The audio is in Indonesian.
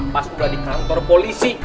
pas udah di kantor polisi